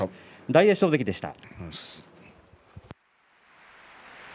大栄翔関でした。